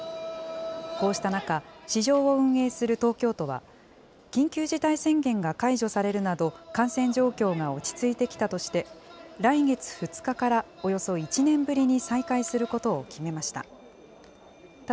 こうした中、市場を運営する東京都は、緊急事態宣言が解除されるなど、感染状況が落ち着いてきたとして、来月２日からおよそ１年ぶりに再開することを決めました。